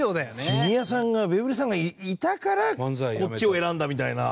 ジュニアさんが「ベイブルースさんがいたからこっちを選んだ」みたいな。